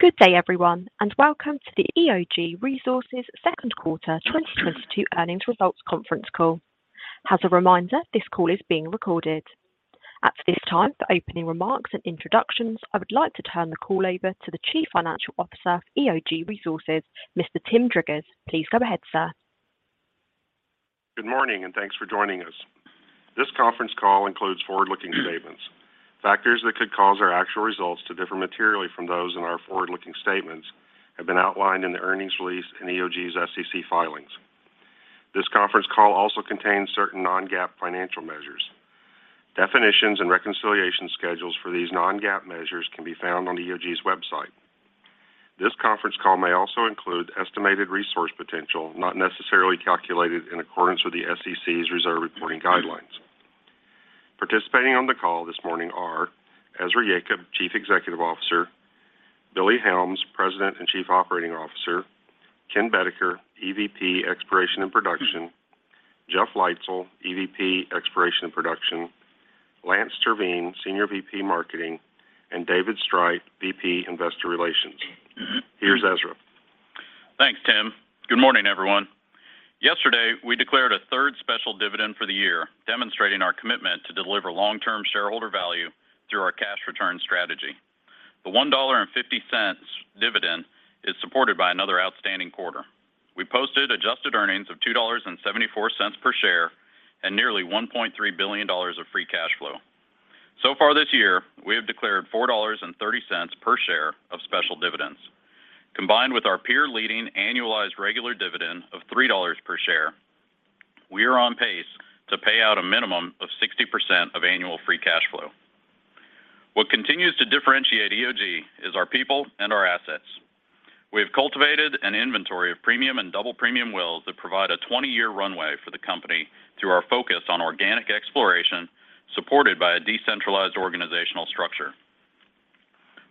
Good day, everyone, and welcome to the EOG Resources second quarter 2022 earnings results conference call. As a reminder, this call is being recorded. At this time, for opening remarks and introductions, I would like to turn the call over to the Chief Financial Officer of EOG Resources, Mr. Tim Driggers. Please go ahead, sir. Good morning, and thanks for joining us. This conference call includes forward-looking statements. Factors that could cause our actual results to differ materially from those in our forward-looking statements have been outlined in the earnings release in EOG's SEC filings. This conference call also contains certain non-GAAP financial measures. Definitions and reconciliation schedules for these non-GAAP measures can be found on EOG's website. This conference call may also include estimated resource potential, not necessarily calculated in accordance with the SEC's reserve reporting guidelines. Participating on the call this morning are Ezra Yacob, Chief Executive Officer, Billy Helms, President and Chief Operating Officer, Ken Boedeker, EVP, Exploration and Production, Jeff Leitzell, EVP, Exploration and Production, Lance Terveen, Senior VP, Marketing, and David Streit, VP, Investor Relations. Here's Ezra. Thanks, Tim. Good morning, everyone. Yesterday, we declared a third special dividend for the year, demonstrating our commitment to deliver long-term shareholder value through our cash return strategy. The $1.50 dividend is supported by another outstanding quarter. We posted adjusted earnings of $2.74 per share and nearly $1.3 billion of free cash flow. So far this year, we have declared $4.30 per share of special dividends. Combined with our peer-leading annualized regular dividend of $3 per share, we are on pace to pay out a minimum of 60% of annual free cash flow. What continues to differentiate EOG is our people and our assets. We have cultivated an inventory of premium and double premium wells that provide a 20-year runway for the company through our focus on organic exploration, supported by a decentralized organizational structure.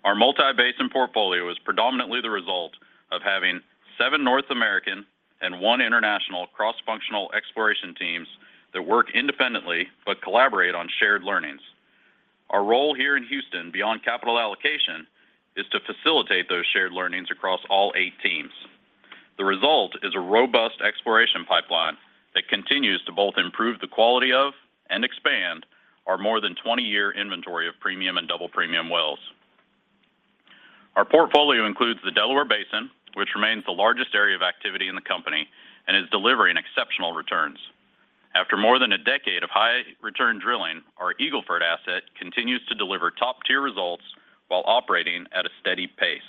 Our multi-basin portfolio is predominantly the result of having seven North American and one international cross-functional exploration teams that work independently but collaborate on shared learnings. Our role here in Houston, beyond capital allocation, is to facilitate those shared learnings across all eight teams. The result is a robust exploration pipeline that continues to both improve the quality of and expand our more than 20-year inventory of premium and double premium wells. Our portfolio includes the Delaware Basin, which remains the largest area of activity in the company and is delivering exceptional returns. After more than a decade of high return drilling, our Eagle Ford asset continues to deliver top-tier results while operating at a steady pace.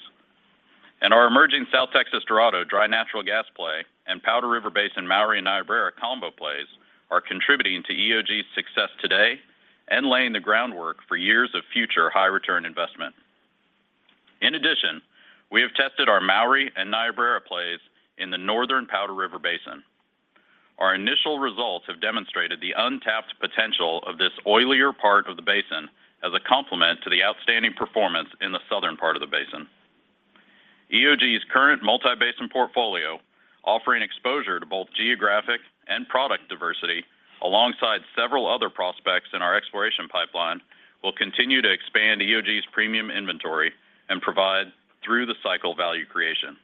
Our emerging South Texas Dorado Dry Natural Gas Play and Powder River Basin Mowry and Niobrara Combo Plays are contributing to EOG's success today and laying the groundwork for years of future high return investment. In addition, we have tested our Mowry and Niobrara plays in the northern Powder River Basin. Our initial results have demonstrated the untapped potential of this oilier part of the basin as a complement to the outstanding performance in the southern part of the basin. EOG's current multi-basin portfolio, offering exposure to both geographic and product diversity alongside several other prospects in our exploration pipeline, will continue to expand EOG's premium inventory and provide through-the-cycle value creation.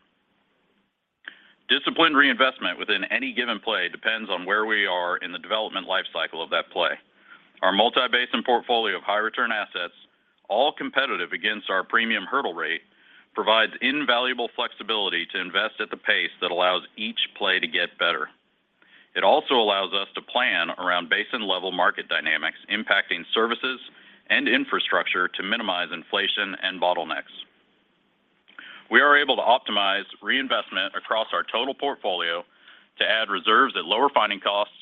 Disciplined reinvestment within any given play depends on where we are in the development life cycle of that play. Our multi-basin portfolio of high return assets, all competitive against our premium hurdle rate, provides invaluable flexibility to invest at the pace that allows each play to get better. It also allows us to plan around basin-level market dynamics impacting services and infrastructure to minimize inflation and bottlenecks. We are able to optimize reinvestment across our total portfolio to add reserves at lower finding costs,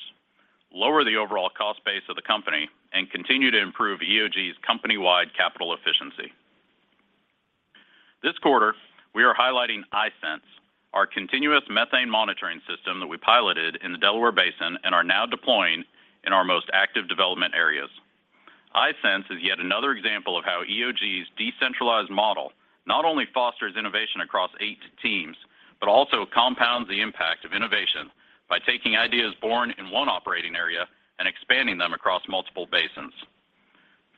lower the overall cost base of the company, and continue to improve EOG's company-wide capital efficiency. This quarter, we are highlighting iSense, our continuous methane monitoring system that we piloted in the Delaware Basin and are now deploying in our most active development areas. iSense is yet another example of how EOG's decentralized model not only fosters innovation across eight teams, but also compounds the impact of innovation by taking ideas born in one operating area and expanding them across multiple basins.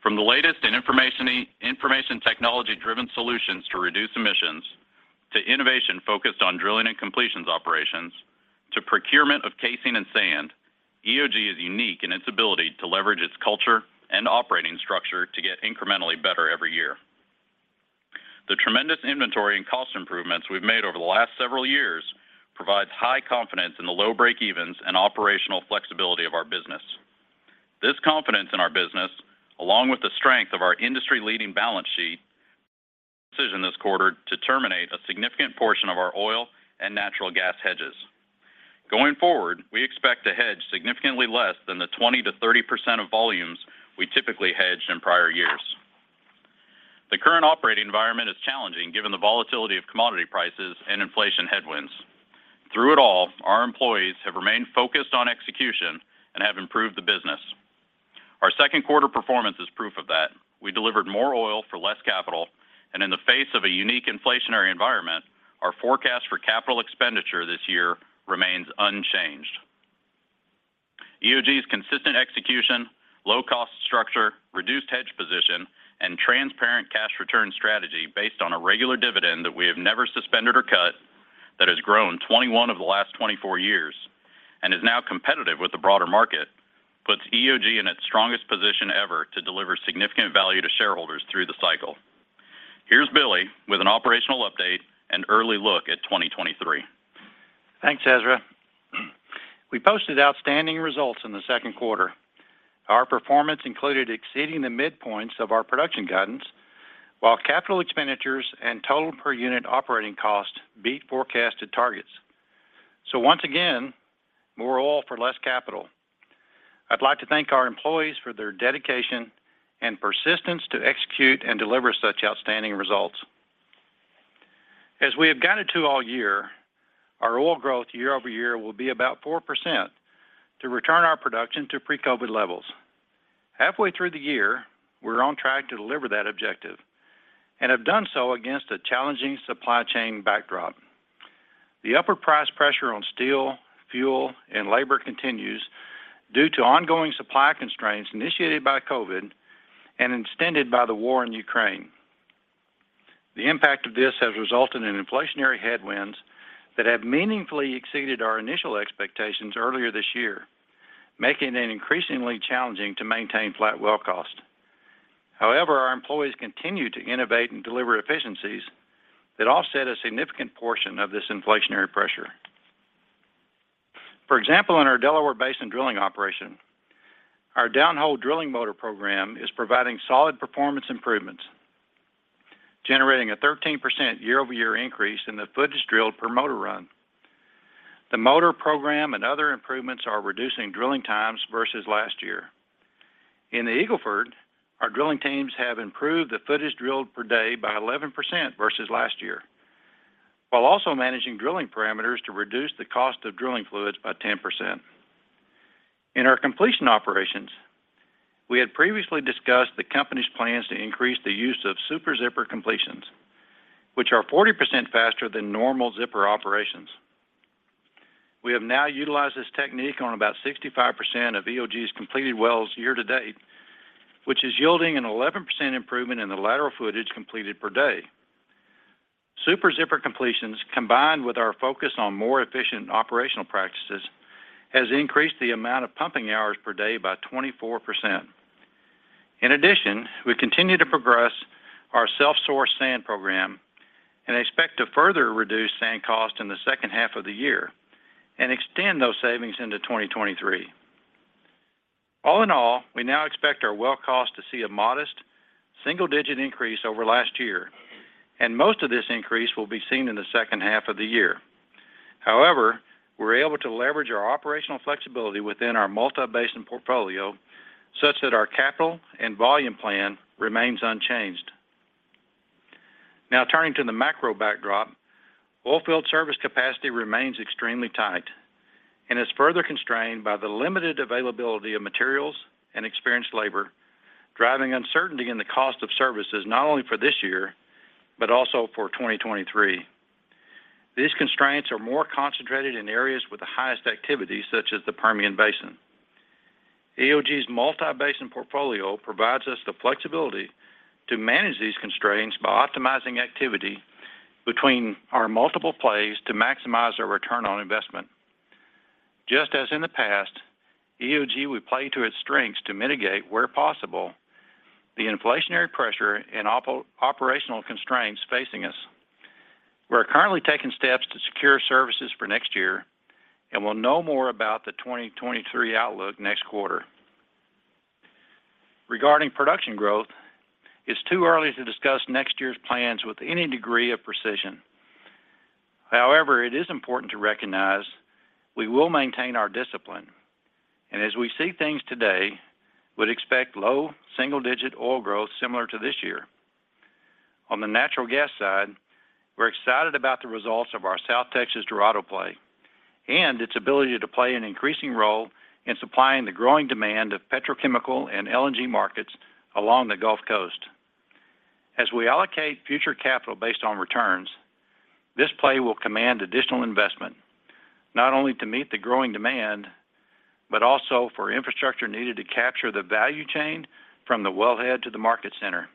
From the latest in information technology-driven solutions to reduce emissions, to innovation focused on drilling and completions operations, to procurement of casing and sand, EOG is unique in its ability to leverage its culture and operating structure to get incrementally better every year. The tremendous inventory and cost improvements we've made over the last several years provides high confidence in the low breakevens and operational flexibility of our business. This confidence in our business, along with the strength of our industry-leading balance sheet, led to our decision this quarter to terminate a significant portion of our oil and natural gas hedges. Going forward, we expect to hedge significantly less than the 20%-30% of volumes we typically hedged in prior years. The current operating environment is challenging given the volatility of commodity prices and inflation headwinds. Through it all, our employees have remained focused on execution and have improved the business. Our second quarter performance is proof of that. We delivered more oil for less capital, and in the face of a unique inflationary environment, our forecast for capital expenditure this year remains unchanged. EOG's consistent execution, low cost structure, reduced hedge position, and transparent cash return strategy based on a regular dividend that we have never suspended or cut, that has grown 21 of the last 24 years, and is now competitive with the broader market, puts EOG in its strongest position ever to deliver significant value to shareholders through the cycle. Here's Billy with an operational update and early look at 2023. Thanks, Ezra. We posted outstanding results in the second quarter. Our performance included exceeding the midpoints of our production guidance, while capital expenditures and total per unit operating costs beat forecasted targets. Once again, more oil for less capital. I'd like to thank our employees for their dedication and persistence to execute and deliver such outstanding results. As we have guided to all year, our oil growth year-over-year will be about 4% to return our production to pre-COVID levels. Halfway through the year, we're on track to deliver that objective and have done so against a challenging supply chain backdrop. The upward price pressure on steel, fuel, and labor continues due to ongoing supply constraints initiated by COVID and extended by the war in Ukraine. The impact of this has resulted in inflationary headwinds that have meaningfully exceeded our initial expectations earlier this year, making it increasingly challenging to maintain flat well cost. However, our employees continue to innovate and deliver efficiencies that offset a significant portion of this inflationary pressure. For example, in our Delaware Basin drilling operation, our downhole drilling motor program is providing solid performance improvements, generating a 13% year-over-year increase in the footage drilled per motor run. The motor program and other improvements are reducing drilling times versus last year. In the Eagle Ford, our drilling teams have improved the footage drilled per day by 11% versus last year, while also managing drilling parameters to reduce the cost of drilling fluids by 10%. In our completion operations, we had previously discussed the company's plans to increase the use of super zipper completions, which are 40% faster than normal zipper operations. We have now utilized this technique on about 65% of EOG's completed wells year to date, which is yielding an 11% improvement in the lateral footage completed per day. Super zipper completions, combined with our focus on more efficient operational practices, has increased the amount of pumping hours per day by 24%. In addition, we continue to progress our self-source sand program and expect to further reduce sand cost in the second half of the year and extend those savings into 2023. All in all, we now expect our well cost to see a modest single-digit increase over last year, and most of this increase will be seen in the second half of the year. However, we're able to leverage our operational flexibility within our multi-basin portfolio such that our capital and volume plan remains unchanged. Now turning to the macro backdrop, oil field service capacity remains extremely tight and is further constrained by the limited availability of materials and experienced labor, driving uncertainty in the cost of services not only for this year, but also for 2023. These constraints are more concentrated in areas with the highest activity, such as the Permian Basin. EOG's multi-basin portfolio provides us the flexibility to manage these constraints by optimizing activity between our multiple plays to maximize our return on investment. Just as in the past, EOG will play to its strengths to mitigate, where possible, the inflationary pressure and operational constraints facing us. We are currently taking steps to secure services for next year and will know more about the 2023 outlook next quarter. Regarding production growth, it's too early to discuss next year's plans with any degree of precision. However, it is important to recognize we will maintain our discipline, and as we see things today, would expect low single-digit oil growth similar to this year. On the natural gas side, we're excited about the results of our South Texas Dorado play and its ability to play an increasing role in supplying the growing demand of petrochemical and LNG markets along the Gulf Coast. As we allocate future capital based on returns, this play will command additional investment, not only to meet the growing demand, but also for infrastructure needed to capture the value chain from the wellhead to the market center.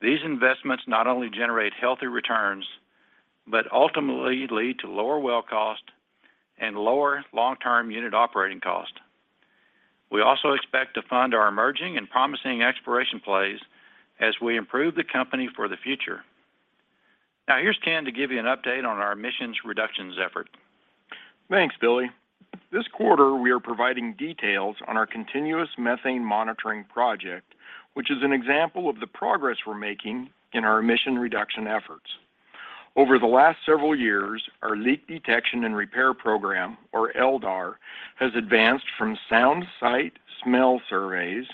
These investments not only generate healthy returns, but ultimately lead to lower well cost and lower long-term unit operating cost. We also expect to fund our emerging and promising exploration plays as we improve the company for the future. Now, here's Ken to give you an update on our emissions reductions effort. Thanks, Billy. This quarter, we are providing details on our continuous methane monitoring project, which is an example of the progress we're making in our emission reduction efforts. Over the last several years, our leak detection and repair program, or LDAR, has advanced from sound, sight, smell surveys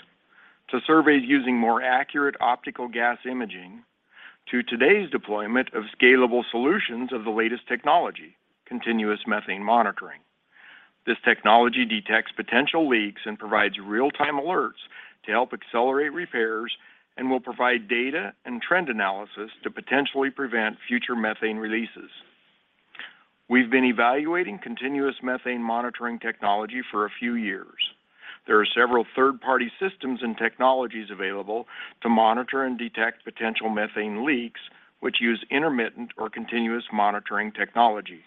to surveys using more accurate optical gas imaging to today's deployment of scalable solutions of the latest technology, continuous methane monitoring. This technology detects potential leaks and provides real-time alerts to help accelerate repairs and will provide data and trend analysis to potentially prevent future methane releases. We've been evaluating continuous methane monitoring technology for a few years. There are several third-party systems and technologies available to monitor and detect potential methane leaks, which use intermittent or continuous monitoring technology.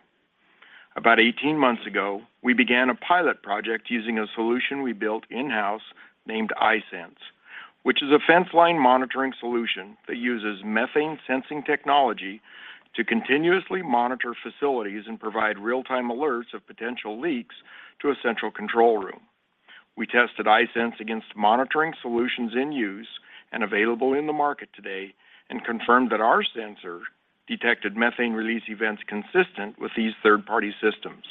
About 18 months ago, we began a pilot project using a solution we built in-house named iSense, which is a fence line monitoring solution that uses methane sensing technology to continuously monitor facilities and provide real-time alerts of potential leaks to a central control room. We tested iSense against monitoring solutions in use and available in the market today and confirmed that our sensor detected methane release events consistent with these third-party systems.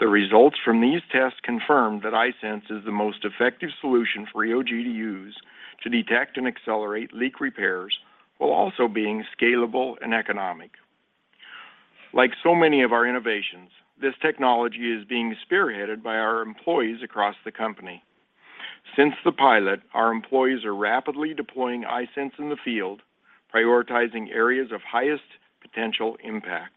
The results from these tests confirmed that iSense is the most effective solution for EOG to use to detect and accelerate leak repairs while also being scalable and economic. Like so many of our innovations, this technology is being spearheaded by our employees across the company. Since the pilot, our employees are rapidly deploying iSense in the field, prioritizing areas of highest potential impact.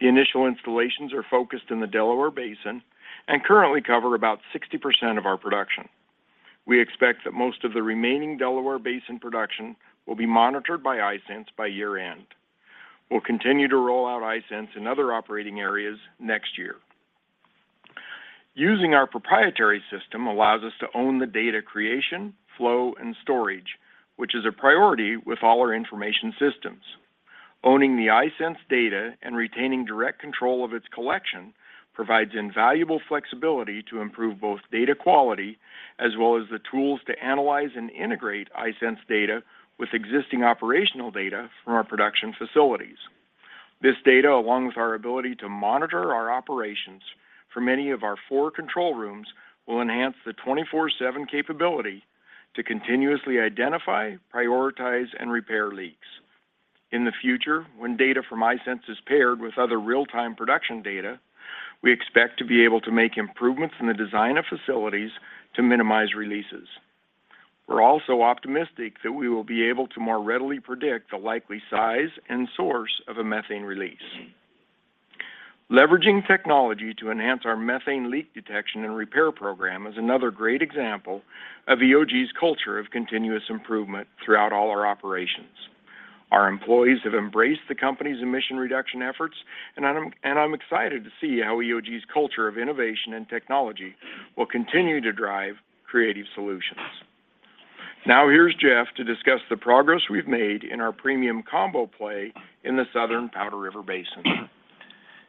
The initial installations are focused in the Delaware Basin and currently cover about 60% of our production. We expect that most of the remaining Delaware Basin production will be monitored by iSense by year-end. We'll continue to roll out iSense in other operating areas next year. Using our proprietary system allows us to own the data creation, flow, and storage, which is a priority with all our information systems. Owning the iSense data and retaining direct control of its collection provides invaluable flexibility to improve both data quality as well as the tools to analyze and integrate iSense data with existing operational data from our production facilities. This data, along with our ability to monitor our operations from any of our four control rooms, will enhance the 24/7 capability to continuously identify, prioritize, and repair leaks. In the future, when data from iSense is paired with other real-time production data, we expect to be able to make improvements in the design of facilities to minimize releases. We're also optimistic that we will be able to more readily predict the likely size and source of a methane release. Leveraging technology to enhance our methane leak detection and repair program is another great example of EOG's culture of continuous improvement throughout all our operations. Our employees have embraced the company's emission reduction efforts, and I'm excited to see how EOG's culture of innovation and technology will continue to drive creative solutions. Now here's Jeff to discuss the progress we've made in our premium combo play in the Southern Powder River Basin.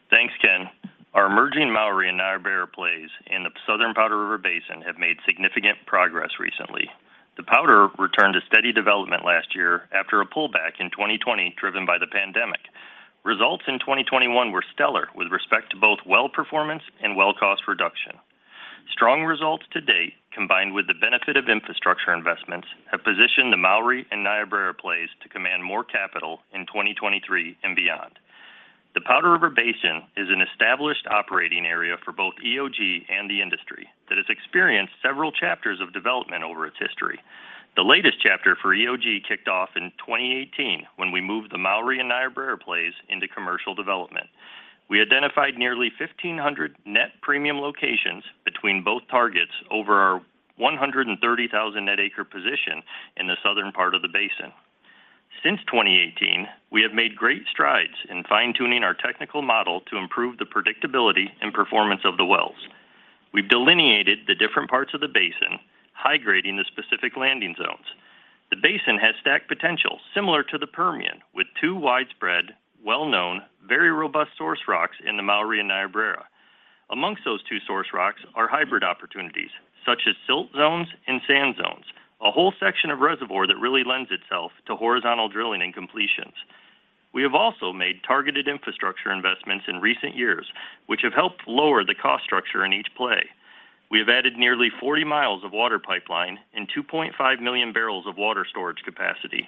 Thanks, Ken. Our emerging Mowry and Niobrara plays in the Southern Powder River Basin have made significant progress recently. The Powder returned to steady development last year after a pullback in 2020 driven by the pandemic. Results in 2021 were stellar with respect to both well performance and well cost reduction. Strong results to date, combined with the benefit of infrastructure investments, have positioned the Mowry and Niobrara plays to command more capital in 2023 and beyond. The Powder River Basin is an established operating area for both EOG and the industry that has experienced several chapters of development over its history. The latest chapter for EOG kicked off in 2018 when we moved the Mowry and Niobrara plays into commercial development. We identified nearly 1,500 net premium locations between both targets over our 130,000 net acre position in the southern part of the basin. Since 2018, we have made great strides in fine-tuning our technical model to improve the predictability and performance of the wells. We've delineated the different parts of the basin, high-grading the specific landing zones. The basin has stack potential similar to the Permian, with two widespread, well-known, very robust source rocks in the Mowry and Niobrara. Among those two source rocks are hybrid opportunities such as silt zones and sand zones, a whole section of reservoir that really lends itself to horizontal drilling and completions. We have also made targeted infrastructure investments in recent years, which have helped lower the cost structure in each play. We have added nearly 40 miles of water pipeline and 2.5 million barrels of water storage capacity.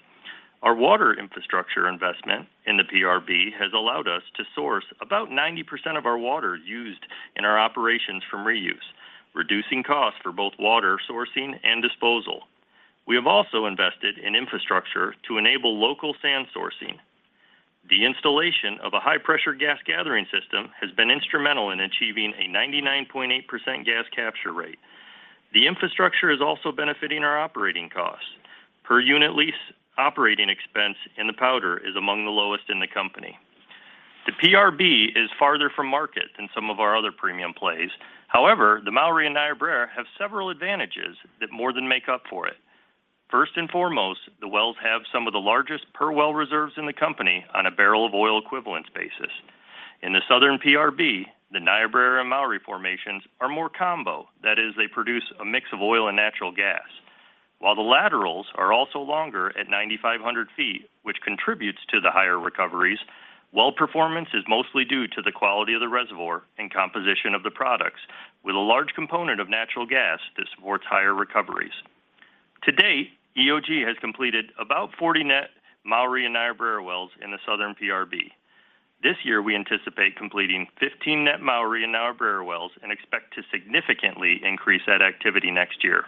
Our water infrastructure investment in the PRB has allowed us to source about 90% of our water used in our operations from reuse, reducing costs for both water sourcing and disposal. We have also invested in infrastructure to enable local sand sourcing. The installation of a high-pressure gas gathering system has been instrumental in achieving a 99.8% gas capture rate. The infrastructure is also benefiting our operating costs. Per unit lease operating expense in the Powder is among the lowest in the company. The PRB is farther from market than some of our other premium plays. However, the Mowry and Niobrara have several advantages that more than make up for it. First and foremost, the wells have some of the largest per well reserves in the company on a barrel of oil equivalent basis. In the southern PRB, the Niobrara and Mowry formations are more combo. That is, they produce a mix of oil and natural gas. While the laterals are also longer at 9,500 feet, which contributes to the higher recoveries, well performance is mostly due to the quality of the reservoir and composition of the products, with a large component of natural gas that supports higher recoveries. To date, EOG has completed about 40 net Mowry and Niobrara wells in the southern PRB. This year, we anticipate completing 15 net Mowry and Niobrara wells and expect to significantly increase that activity next year.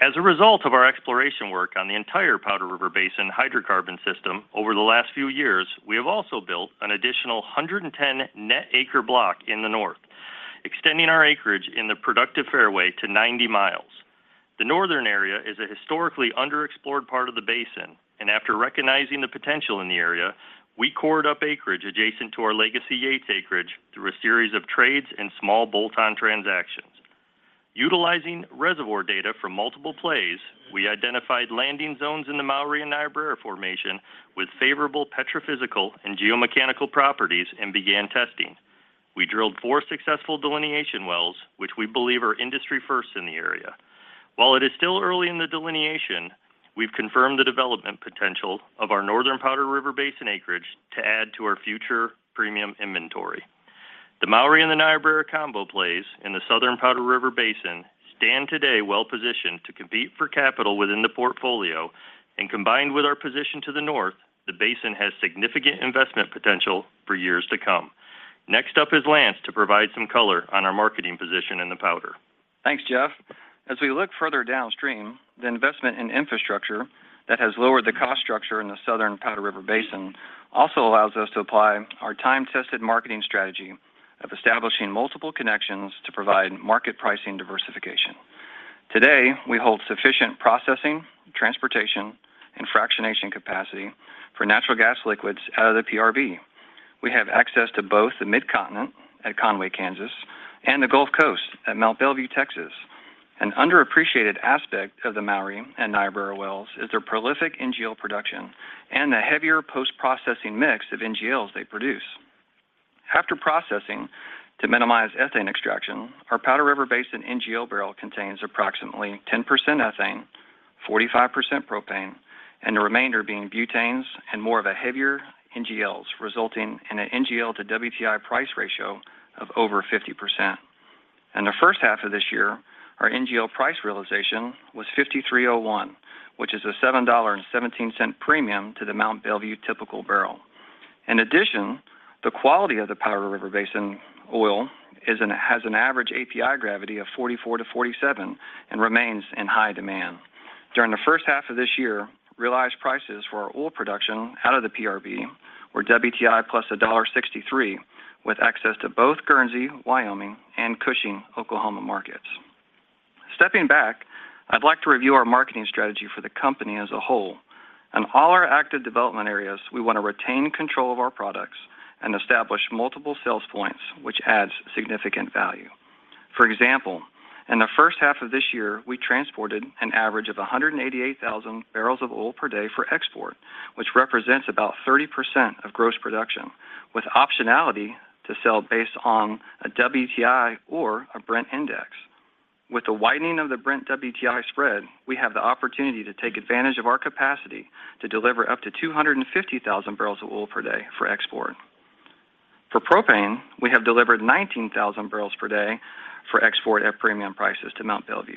As a result of our exploration work on the entire Powder River Basin hydrocarbon system over the last few years, we have also built an additional 110 net acre block in the north, extending our acreage in the productive fairway to 90 miles. The northern area is a historically underexplored part of the basin. After recognizing the potential in the area, we cored up acreage adjacent to our legacy Yates acreage through a series of trades and small bolt-on transactions. Utilizing reservoir data from multiple plays, we identified landing zones in the Mowry and Niobrara Formation with favorable petrophysical and geomechanical properties and began testing. We drilled 4 successful delineation wells, which we believe are industry first in the area. While it is still early in the delineation, we've confirmed the development potential of our northern Powder River Basin acreage to add to our future premium inventory. The Mowry and the Niobrara combo plays in the Southern Powder River Basin stand today well-positioned to compete for capital within the portfolio. Combined with our position to the north, the basin has significant investment potential for years to come. Next up is Lance to provide some color on our marketing position in the Powder. Thanks, Jeff. As we look further downstream, the investment in infrastructure that has lowered the cost structure in the southern Powder River Basin also allows us to apply our time-tested marketing strategy of establishing multiple connections to provide market pricing diversification. Today, we hold sufficient processing, transportation, and fractionation capacity for natural gas liquids out of the PRB. We have access to both the Mid-Continent at Conway, Kansas, and the Gulf Coast at Mont Belvieu, Texas. An underappreciated aspect of the Mowry and Niobrara wells is their prolific NGL production and the heavier post-processing mix of NGLs they produce. After processing to minimize ethane extraction, our Powder River Basin NGL barrel contains approximately 10% ethane, 45% propane, and the remainder being butanes and more of the heavier NGLs, resulting in an NGL to WTI price ratio of over 50%. In the first half of this year, our NGL price realization was $53.01, which is a $7.17 premium to the Mont Belvieu typical barrel. In addition, the quality of the Powder River Basin oil has an average API gravity of 44-47 and remains in high demand. During the first half of this year, realized prices for our oil production out of the PRB were WTI plus $1.63, with access to both Guernsey, Wyoming, and Cushing, Oklahoma, markets. Stepping back, I'd like to review our marketing strategy for the company as a whole. In all our active development areas, we want to retain control of our products and establish multiple sales points, which adds significant value. For example, in the first half of this year, we transported an average of 188,000 barrels of oil per day for export, which represents about 30% of gross production, with optionality to sell based on a WTI or a Brent index. With the widening of the Brent WTI spread, we have the opportunity to take advantage of our capacity to deliver up to 250,000 barrels of oil per day for export. For propane, we have delivered 19,000 barrels per day for export at premium prices to Mont Belvieu.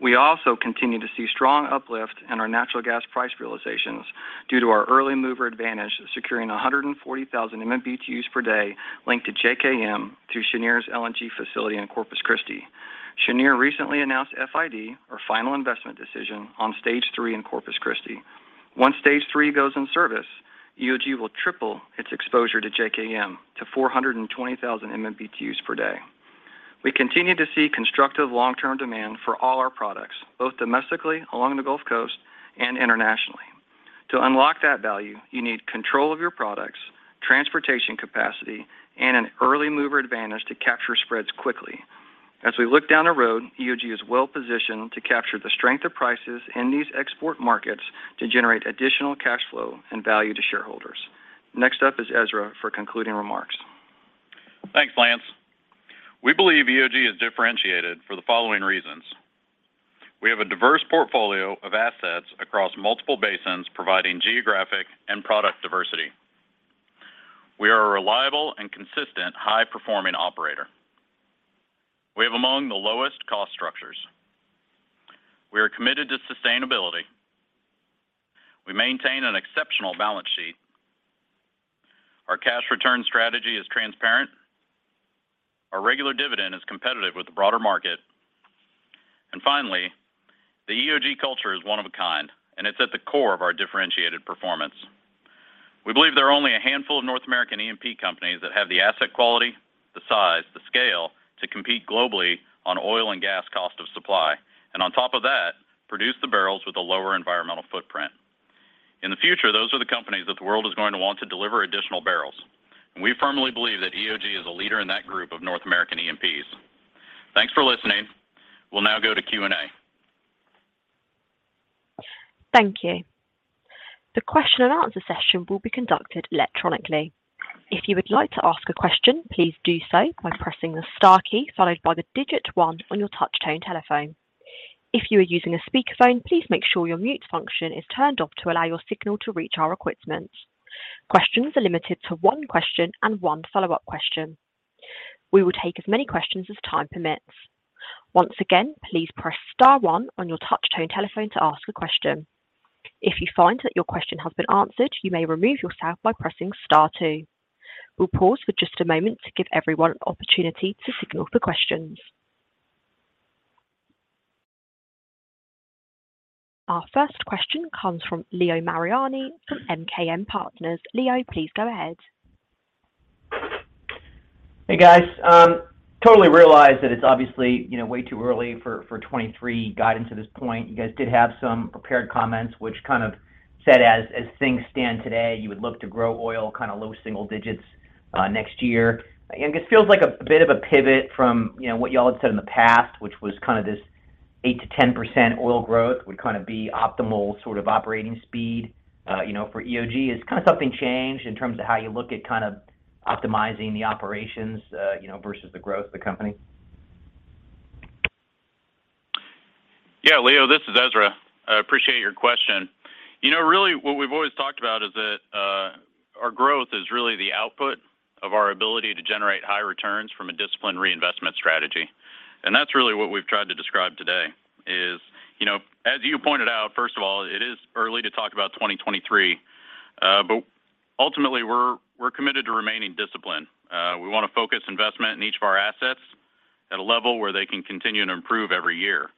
We also continue to see strong uplift in our natural gas price realizations due to our early mover advantage, securing 140,000 MMBtu per day linked to JKM through Cheniere's LNG facility in Corpus Christi. Cheniere recently announced FID or final investment decision on stage three in Corpus Christi. Once stage three goes in service, EOG will triple its exposure to JKM to 420,000 MMBtu per day. We continue to see constructive long-term demand for all our products, both domestically along the Gulf Coast and internationally. To unlock that value, you need control of your products, transportation capacity, and an early mover advantage to capture spreads quickly. As we look down the road, EOG is well-positioned to capture the strength of prices in these export markets to generate additional cash flow and value to shareholders. Next up is Ezra for concluding remarks. Thanks, Lance. We believe EOG is differentiated for the following reasons. We have a diverse portfolio of assets across multiple basins, providing geographic and product diversity. We are a reliable and consistent high-performing operator. We have among the lowest cost structures. We are committed to sustainability. We maintain an exceptional balance sheet. Our cash return strategy is transparent. Our regular dividend is competitive with the broader market. Finally, the EOG culture is one of a kind, and it's at the core of our differentiated performance. We believe there are only a handful of North American E&P companies that have the asset quality, the size, the scale to compete globally on oil and gas cost of supply, and on top of that, produce the barrels with a lower environmental footprint. In the future, those are the companies that the world is going to want to deliver additional barrels. We firmly believe that EOG is a leader in that group of North American E&Ps. Thanks for listening. We'll now go to Q&A. Thank you. The question and answer session will be conducted electronically. If you would like to ask a question, please do so by pressing the star key followed by the digit one on your touch tone telephone. If you are using a speakerphone, please make sure your mute function is turned off to allow your signal to reach our equipment. Questions are limited to one question and one follow-up question. We will take as many questions as time permits. Once again, please press star one on your touch tone telephone to ask a question. If you find that your question has been answered, you may remove yourself by pressing star two. We'll pause for just a moment to give everyone an opportunity to signal for questions. Our first question comes from Leo Mariani from MKM Partners. Leo, please go ahead. Hey, guys. Totally realize that it's obviously, you know, way too early for 2023 guidance at this point. You guys did have some prepared comments which kind of said as things stand today, you would look to grow oil kind of low single digits next year. It feels like a bit of a pivot from, you know, what y'all have said in the past, which was kind of this 8%-10% oil growth would kind of be optimal sort of operating speed, you know, for EOG. Has kind of something changed in terms of how you look at kind of optimizing the operations, you know, versus the growth of the company? Yeah, Leo, this is Ezra. I appreciate your question. You know, really what we've always talked about is that our growth is really the output of our ability to generate high returns from a disciplined reinvestment strategy. And that's really what we've tried to describe today is, you know, as you pointed out, first of all, it is early to talk about 2023. But ultimately, we're committed to remaining disciplined. We want to focus investment in each of our assets at a level where they can continue to improve every year.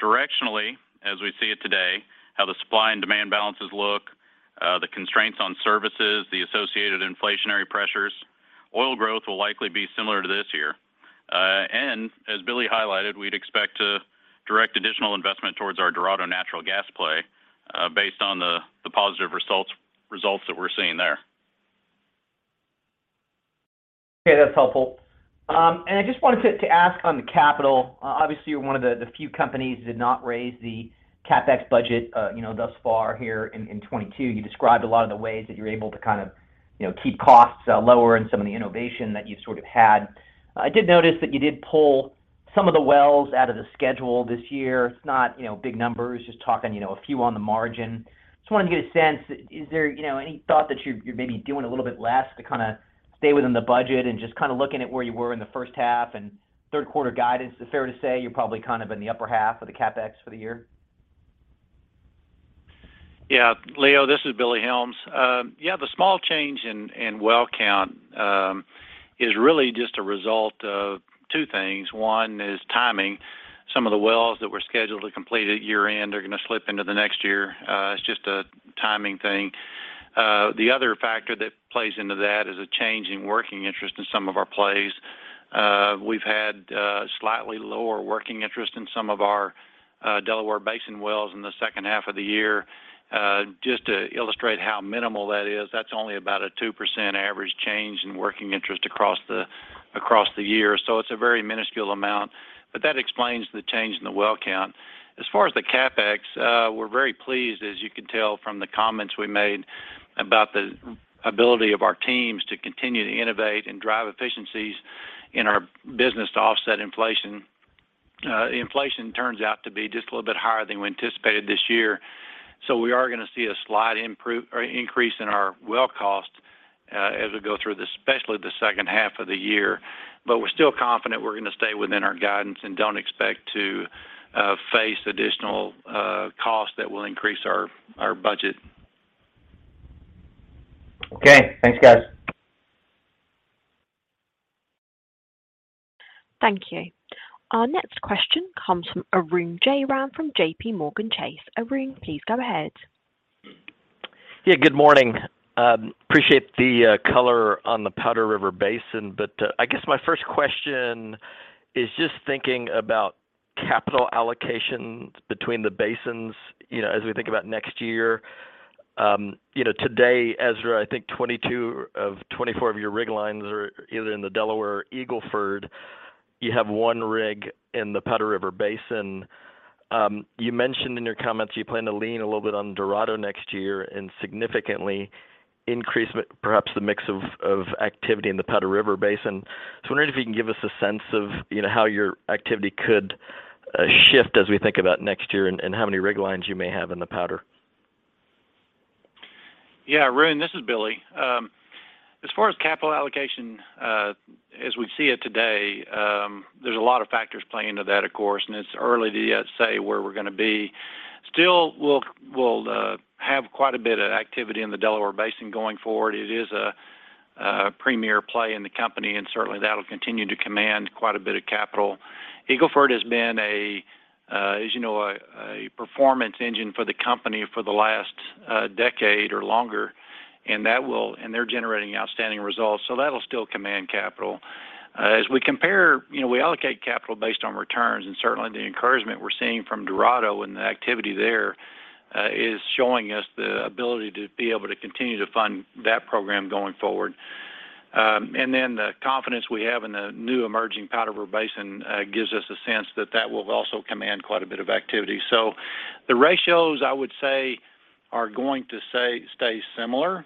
Directionally, as we see it today, how the supply and demand balances look, the constraints on services, the associated inflationary pressures, oil growth will likely be similar to this year. As Billy highlighted, we'd expect to direct additional investment towards our Dorado Natural Gas play, based on the positive results that we're seeing there. Okay, that's helpful. I just wanted to ask on the capital. Obviously, you're one of the few companies that did not raise the CapEx budget, you know, thus far here in 2022. You described a lot of the ways that you're able to kind of, you know, keep costs lower and some of the innovation that you've sort of had. I did notice that you did pull some of the wells out of the schedule this year. It's not, you know, big numbers, just talking, you know, a few on the margin. Just wanted to get a sense. Is there, you know, any thought that you're maybe doing a little bit less to kind of stay within the budget and just kind of looking at where you were in the first half and third quarter guidance? Is it fair to say you're probably kind of in the upper half of the CapEx for the year? Yeah. Leo, this is Billy Helms. The small change in well count is really just a result of two things. One is timing. Some of the wells that were scheduled to complete at year-end are gonna slip into the next year. It's just a timing thing. The other factor that plays into that is a change in working interest in some of our plays. We've had slightly lower working interest in some of our Delaware Basin wells in the second half of the year. Just to illustrate how minimal that is, that's only about a 2% average change in working interest across the year. It's a very minuscule amount, but that explains the change in the well count. As far as the CapEx, we're very pleased, as you can tell from the comments we made about the ability of our teams to continue to innovate and drive efficiencies in our business to offset inflation. Inflation turns out to be just a little bit higher than we anticipated this year. We are gonna see a slight increase in our well cost, as we go through, especially the second half of the year. We're still confident we're gonna stay within our guidance and don't expect to face additional costs that will increase our budget. Okay. Thanks, guys. Thank you. Our next question comes from Arun Jayaram from JPMorgan Chase. Arun, please go ahead. Yeah, good morning. Appreciate the color on the Powder River Basin. I guess my first question is just thinking about capital allocations between the basins, you know, as we think about next year. You know, today, Ezra, I think 22 of 24 of your rig lines are either in the Delaware or Eagle Ford. You have 1 rig in the Powder River Basin. You mentioned in your comments you plan to lean a little bit on Dorado next year and significantly increase perhaps the mix of activity in the Powder River Basin. I'm wondering if you can give us a sense of, you know, how your activity could shift as we think about next year and how many rig lines you may have in the Powder. Yeah, Arun, this is Billy. As far as capital allocation, as we see it today, there's a lot of factors playing into that, of course, and it's early to say where we're gonna be. Still, we'll have quite a bit of activity in the Delaware Basin going forward. It is a premier play in the company, and certainly that'll continue to command quite a bit of capital. Eagle Ford has been, as you know, a performance engine for the company for the last decade or longer, and they're generating outstanding results. So that'll still command capital. As we compare, you know, we allocate capital based on returns, and certainly the encouragement we're seeing from Dorado and the activity there is showing us the ability to be able to continue to fund that program going forward. The confidence we have in the new emerging Powder River Basin gives us a sense that that will also command quite a bit of activity. The ratios I would say are going to say, stay similar.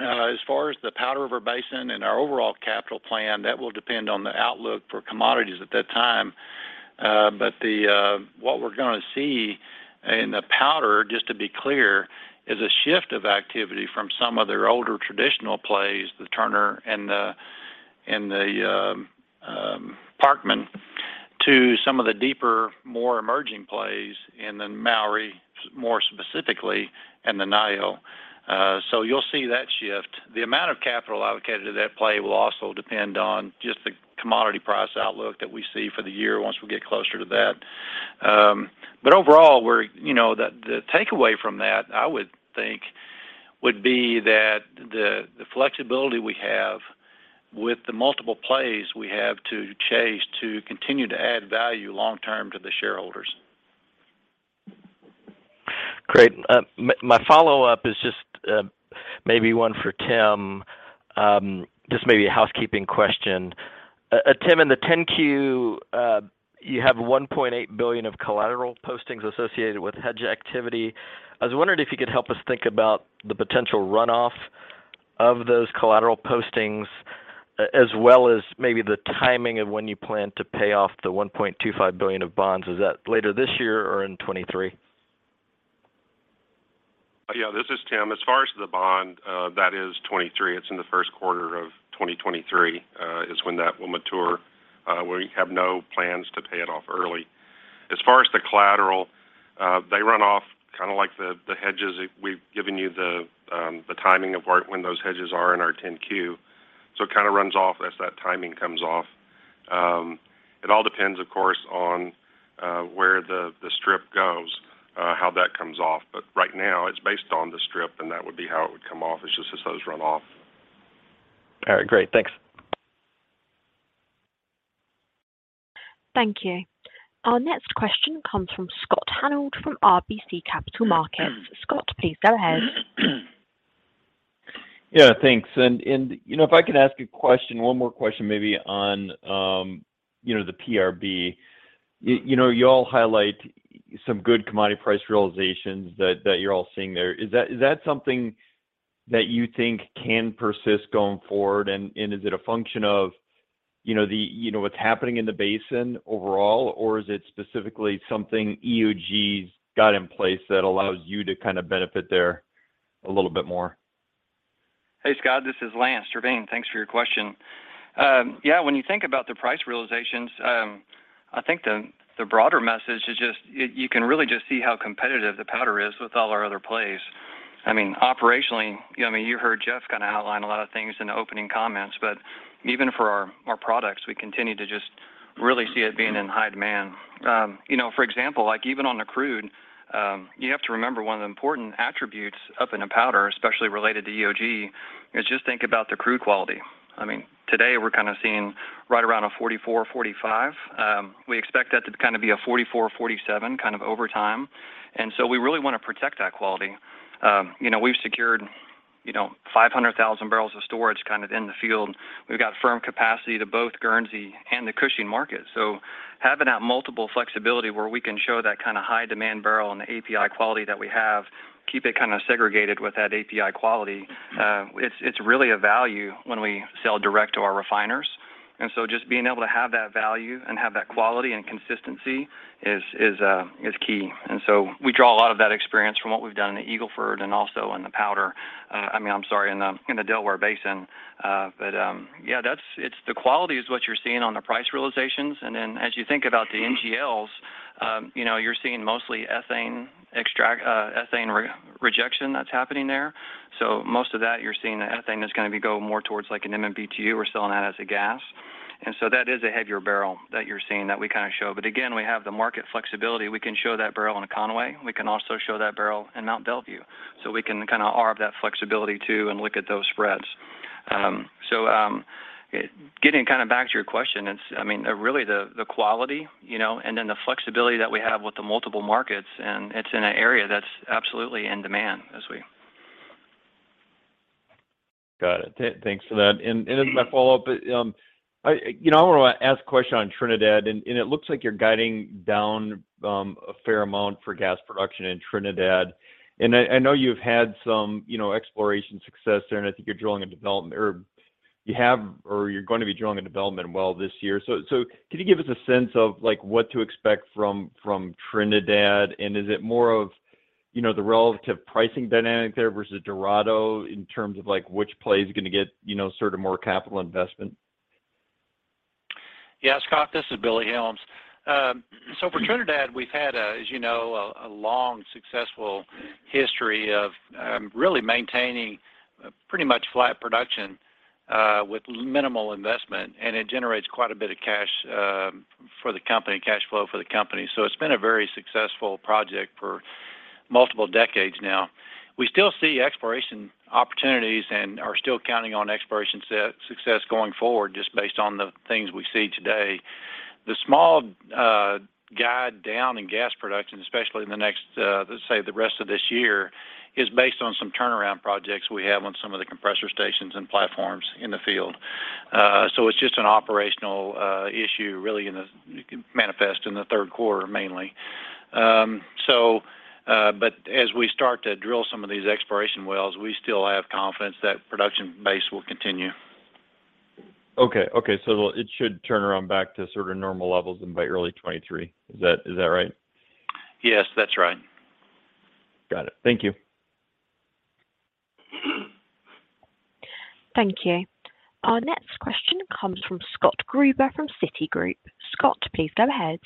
As far as the Powder River Basin and our overall capital plan, that will depend on the outlook for commodities at that time. What we're gonna see in the Powder, just to be clear, is a shift of activity from some of their older traditional plays, the Turner and the Parkman. To some of the deeper, more emerging plays in the Mowry more specifically and the Niobrara. You'll see that shift. The amount of capital allocated to that play will also depend on just the commodity price outlook that we see for the year once we get closer to that. Overall, we're you know, the takeaway from that, I would think would be that the flexibility we have with the multiple plays we have to chase to continue to add value long-term to the shareholders. Great. My follow-up is just, maybe one for Tim. Just maybe a housekeeping question. Tim, in the 10-Q, you have $1.8 billion of collateral postings associated with hedge activity. I was wondering if you could help us think about the potential runoff of those collateral postings as well as maybe the timing of when you plan to pay off the $1.25 billion of bonds. Is that later this year or in 2023? Yeah, this is Tim. As far as the bond, that is 2023. It's in the first quarter of 2023 is when that will mature. We have no plans to pay it off early. As far as the collateral, they run off kinda like the hedges. We've given you the timing of when those hedges are in our 10-Q. It kinda runs off as that timing comes off. It all depends, of course, on where the strip goes, how that comes off. Right now, it's based on the strip, and that would be how it would come off. It's just as those run off. All right, great. Thanks. Thank you. Our next question comes from Scott Hanold from RBC Capital Markets. Scott, please go ahead. Yeah, thanks. You know, if I can ask a question, one more question maybe on, you know, the PRB. You know, you all highlight some good commodity price realizations that you're all seeing there. Is that something that you think can persist going forward? Is it a function of, you know, you know, what's happening in the basin overall, or is it specifically something EOG's got in place that allows you to kind of benefit there a little bit more? Hey, Scott, this is Lance Terveen. Thanks for your question. Yeah, when you think about the price realizations, I think the broader message is just you can really just see how competitive the Powder is with all our other plays. I mean, operationally, you know what I mean, you heard Jeff Leitzell kind of outline a lot of things in the opening comments, but even for our products, we continue to just really see it being in high demand. You know, for example, like even on the crude, you have to remember one of the important attributes up in the Powder, especially related to EOG, is just think about the crude quality. I mean, today we're kind of seeing right around $44-$45. We expect that to kind of be $44-$47 over time. We really wanna protect that quality. You know, we've secured, you know, 500,000 barrels of storage kind of in the field. We've got firm capacity to both Guernsey and the Cushing market. Having that multiple flexibility where we can show that kind of high demand barrel and the API quality that we have, keep it kind of segregated with that API quality, it's really a value when we sell direct to our refiners. Just being able to have that value and have that quality and consistency is key. We draw a lot of that experience from what we've done in the Eagle Ford and also in the Powder, I mean, in the Delaware Basin. It's the quality is what you're seeing on the price realizations. As you think about the NGLs, you know, you're seeing mostly ethane rejection that's happening there. Most of that, you're seeing the ethane is gonna be going more towards like an MMBtu. We're selling that as a gas. That is a heavier barrel that you're seeing that we kinda show. Again, we have the market flexibility. We can show that barrel in a Conway. We can also show that barrel in Mont Belvieu. We can kinda arb that flexibility too and look at those spreads. Getting kind of back to your question, it's, I mean, really the quality, you know, and then the flexibility that we have with the multiple markets, and it's in an area that's absolutely in demand as we. Got it. Thanks for that. As my follow-up, you know, I wanna ask a question on Trinidad. It looks like you're guiding down a fair amount for gas production in Trinidad. I know you've had some, you know, exploration success there, and I think you're drilling a development or you have or you're gonna be drilling a development well this year. Can you give us a sense of like what to expect from Trinidad? Is it more of, you know, the relative pricing dynamic there versus Dorado in terms of like which play is gonna get, you know, sort of more capital investment? Yeah, Scott, this is Billy Helms. For Trinidad, we've had, as you know, a long successful history of really maintaining pretty much flat production with minimal investment, and it generates quite a bit of cash for the company, cash flow for the company. It's been a very successful project for multiple decades now. We still see exploration opportunities and are still counting on exploration success going forward just based on the things we see today. The small guide down in gas production, especially in the next, let's say the rest of this year, is based on some turnaround projects we have on some of the compressor stations and platforms in the field. It's just an operational issue really in the manifest in the third quarter mainly. As we start to drill some of these exploration wells, we still have confidence that production base will continue. It should turn around back to sort of normal levels then by early 2023. Is that right? Yes, that's right. Got it. Thank you. Thank you. Our next question comes from Scott Gruber from Citigroup. Scott, please go ahead.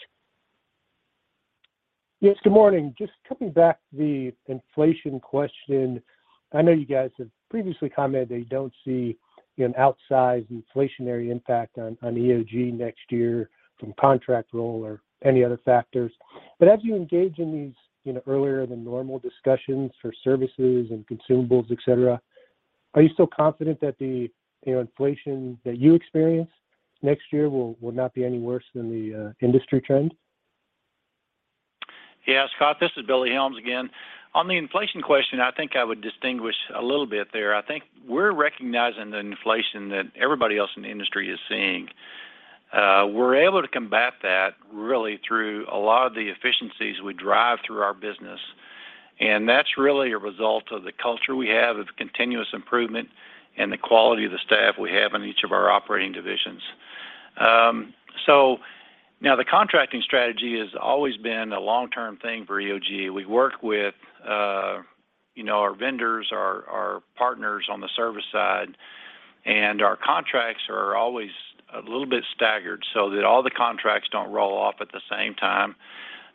Yes, good morning. Just coming back to the inflation question. I know you guys have previously commented that you don't see an outsized inflationary impact on EOG next year from contract roll or any other factors. But as you engage in these, you know, earlier than normal discussions for services and consumables, et cetera, are you still confident that the, you know, inflation that you experience next year will not be any worse than the, industry trend? Yeah. Scott, this is Billy Helms again. On the inflation question, I think I would distinguish a little bit there. I think we're recognizing the inflation that everybody else in the industry is seeing. We're able to combat that really through a lot of the efficiencies we drive through our business, and that's really a result of the culture we have of continuous improvement and the quality of the staff we have in each of our operating divisions. Now the contracting strategy has always been a long-term thing for EOG. We work with, you know, our vendors, our partners on the service side, and our contracts are always a little bit staggered so that all the contracts don't roll off at the same time.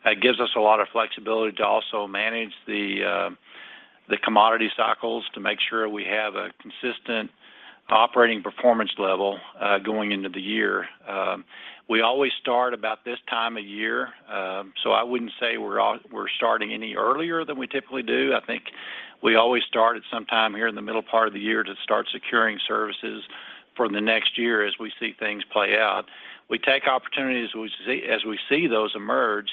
That gives us a lot of flexibility to also manage the commodity cycles to make sure we have a consistent operating performance level, going into the year. We always start about this time of year. I wouldn't say we're starting any earlier than we typically do. I think we always start at some time here in the middle part of the year to start securing services for the next year as we see things play out. We take opportunities as we see those emerge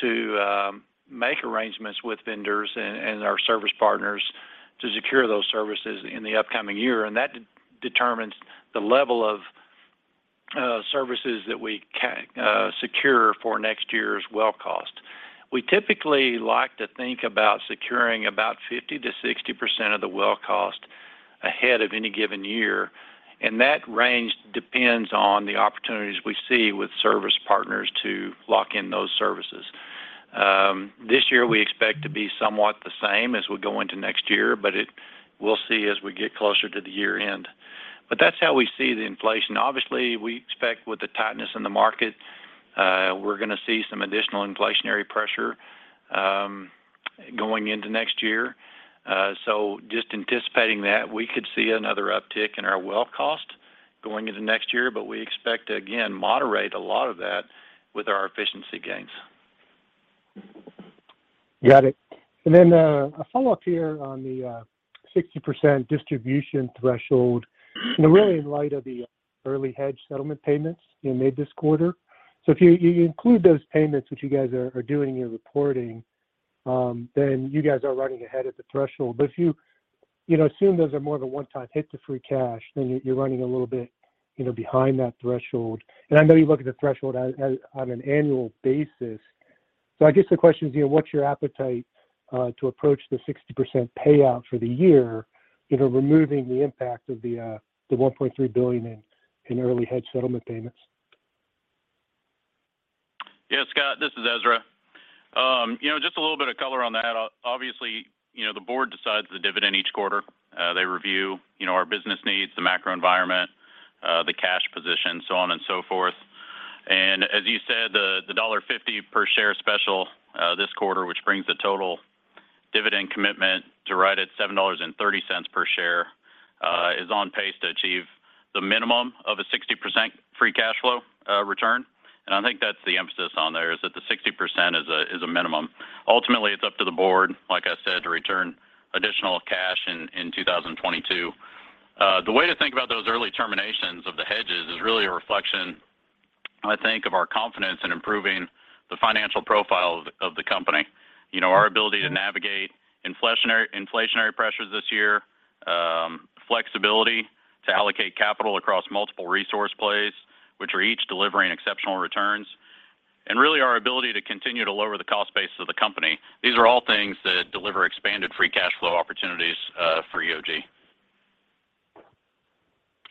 to make arrangements with vendors and our service partners to secure those services in the upcoming year. That determines the level of services that we can secure for next year's well cost. We typically like to think about securing about 50%-60% of the well cost ahead of any given year, and that range depends on the opportunities we see with service partners to lock in those services. This year, we expect to be somewhat the same as we go into next year. We'll see as we get closer to the year-end. That's how we see the inflation. Obviously, we expect with the tightness in the market, we're gonna see some additional inflationary pressure, going into next year. Just anticipating that we could see another uptick in our well cost going into next year, but we expect to again moderate a lot of that with our efficiency gains. Got it. Then, a follow-up here on the 60% distribution threshold, and really in light of the early hedge settlement payments you made this quarter. If you include those payments, which you guys are doing in your reporting, then you guys are running ahead of the threshold. But if you know, assume those are more of a one-time hit to free cash, then you're running a little bit, you know, behind that threshold. I know you look at the threshold at, on an annual basis. I guess the question is, you know, what's your appetite to approach the 60% payout for the year, you know, removing the impact of the $1.3 billion in early hedge settlement payments? Yeah. Scott, this is Ezra. You know, just a little bit of color on that. Obviously, you know, the board decides the dividend each quarter. They review, you know, our business needs, the macro environment, the cash position, so on and so forth. As you said, the $1.50 per share special this quarter, which brings the total dividend commitment to right at $7.30 per share, is on pace to achieve the minimum of a 60% free cash flow return. I think that's the emphasis on there is that the 60% is a minimum. Ultimately, it's up to the board, like I said, to return additional cash in 2022. The way to think about those early terminations of the hedges is really a reflection, I think, of our confidence in improving the financial profile of the company. You know, our ability to navigate inflationary pressures this year, flexibility to allocate capital across multiple resource plays, which are each delivering exceptional returns, and really our ability to continue to lower the cost base of the company. These are all things that deliver expanded free cash flow opportunities for EOG.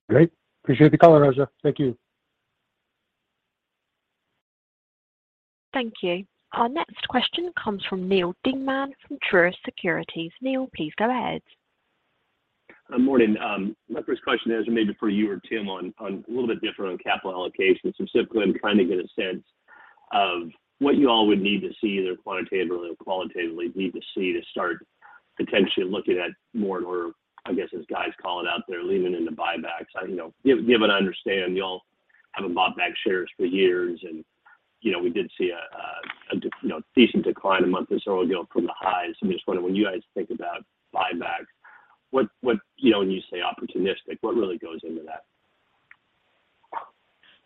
Great. Appreciate the color, Ezra. Thank you. Thank you. Our next question comes from Neal Dingmann from Truist Securities. Neil, please go ahead. Good morning. My first question is maybe for you or Tim on a little bit different on capital allocation. Specifically, I'm trying to get a sense of what you all would need to see either quantitatively or qualitatively to start potentially looking at more and more, I guess, as guys call it out there, leaning into buybacks. You know, given I understand you all haven't bought back shares for years and, you know, we did see a you know, decent decline a month or so ago from the highs. I'm just wondering when you guys think about buybacks, what you know, when you say opportunistic, what really goes into that?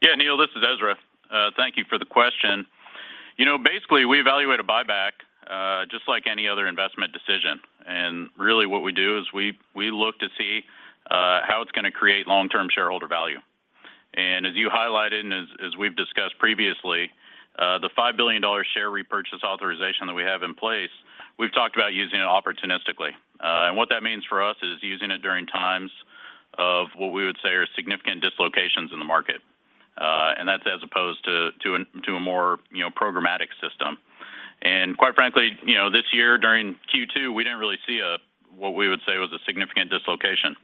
Yeah. Neal, this is Ezra. Thank you for the question. You know, basically, we evaluate a buyback just like any other investment decision. Really what we do is we look to see how it's gonna create long-term shareholder value. As you highlighted and as we've discussed previously, the $5 billion share repurchase authorization that we have in place, we've talked about using it opportunistically. What that means for us is using it during times of what we would say are significant dislocations in the market. That's as opposed to a more, you know, programmatic system. Quite frankly, you know, this year during Q2, we didn't really see what we would say was a significant dislocation.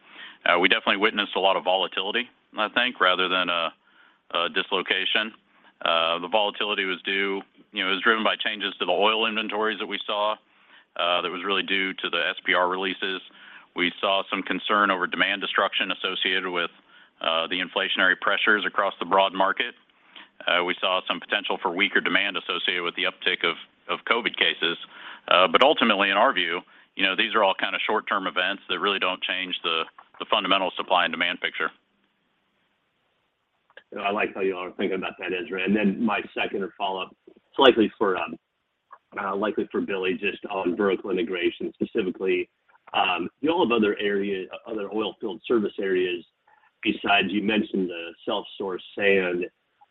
We definitely witnessed a lot of volatility, I think, rather than a dislocation. The volatility was due, you know, it was driven by changes to the oil inventories that we saw, that was really due to the SPR releases. We saw some concern over demand destruction associated with the inflationary pressures across the broad market. We saw some potential for weaker demand associated with the uptick of COVID cases. But ultimately, in our view, you know, these are all kind of short-term events that really don't change the fundamental supply and demand picture. I like how you all are thinking about that, Ezra. My second or follow-up, slightly for, likely for Billy, just on vertical integration specifically. You all have other oil field service areas besides you mentioned the self-source sand,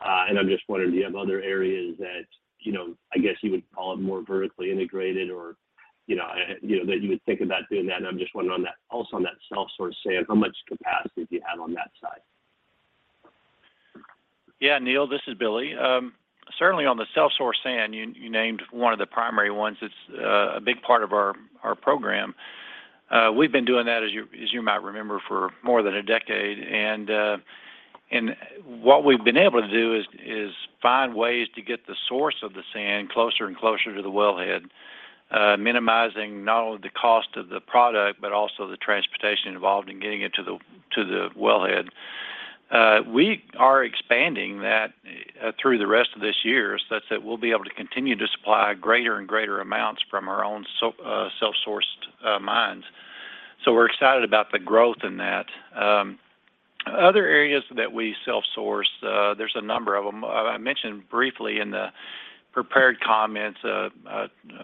and I'm just wondering, do you have other areas that, you know, I guess you would call it more vertically integrated or, you know, you know, that you would think about doing that. I'm just wondering on that. Also, on that self-source sand, how much capacity do you have on that side? Yeah, Neil, this is Billy. Certainly on the self-sourced sand, you named one of the primary ones. It's a big part of our program. We've been doing that, as you might remember, for more than a decade. What we've been able to do is find ways to get the source of the sand closer and closer to the wellhead, minimizing not only the cost of the product, but also the transportation involved in getting it to the wellhead. We are expanding that through the rest of this year such that we'll be able to continue to supply greater and greater amounts from our own self-sourced mines. We're excited about the growth in that. Other areas that we self-source, there's a number of them. I mentioned briefly in the prepared comments a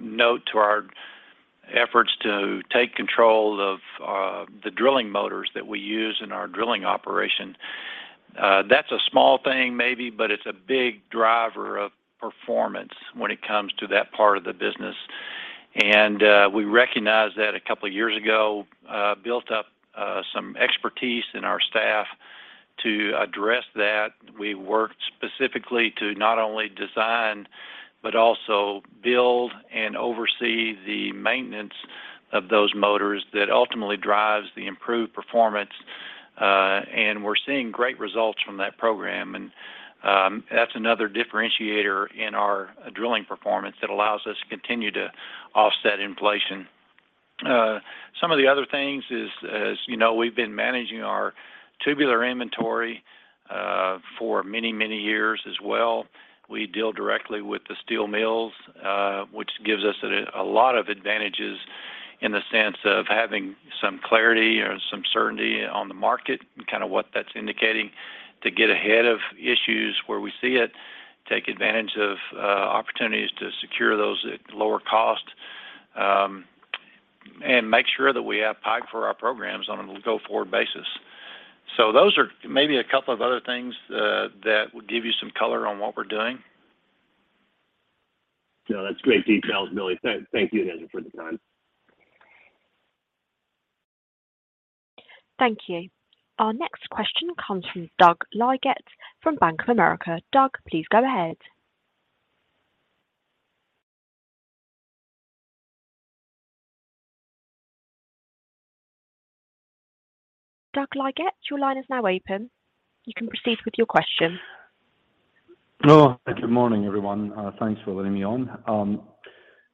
note to our efforts to take control of the drilling motors that we use in our drilling operation. That's a small thing maybe, but it's a big driver of performance when it comes to that part of the business. We recognized that a couple of years ago, built up some expertise in our staff to address that. We worked specifically to not only design, but also build and oversee the maintenance of those motors that ultimately drives the improved performance. We're seeing great results from that program. That's another differentiator in our drilling performance that allows us to continue to offset inflation. Some of the other things is, as you know, we've been managing our tubular inventory for many, many years as well. We deal directly with the steel mills, which gives us a lot of advantages in the sense of having some clarity or some certainty on the market, kind of what that's indicating to get ahead of issues where we see it, take advantage of opportunities to secure those at lower cost, and make sure that we have pipe for our programs on a go-forward basis. Those are maybe a couple of other things that would give you some color on what we're doing. No, that's great details, Billy. Thank you, Ezra, for the time. Thank you. Our next question comes from Doug Leggate from Bank of America. Doug, please go ahead. Doug Leggate, your line is now open. You can proceed with your question. No. Good morning, everyone. Thanks for letting me on.